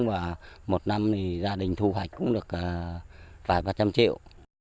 và một năm thì gia đình thu hoạch cũng được vài phát trăm triệu